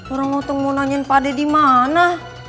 orang mau nanya pada di mana